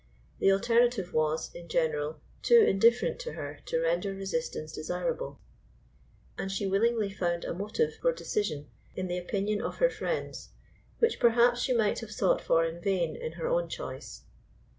The alternative was, in general, too indifferent to her to render resistance desirable, and she willingly found a motive for decision in the opinion of her friends which perhaps she might have sought for in vain in her own choice.